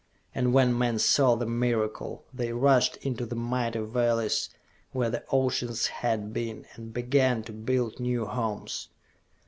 And when men saw the miracle, they rushed into the mighty valleys where the oceans had been, and began to build new homes!